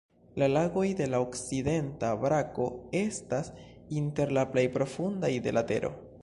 La lagoj de la okcidenta brako estas inter la plej profundaj de la Tero.